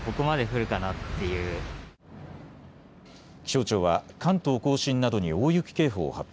気象庁は関東甲信などに大雪警報を発表。